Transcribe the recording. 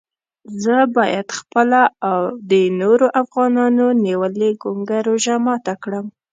زه باید خپله او د نورو افغانانو نیولې ګونګه روژه ماته کړم.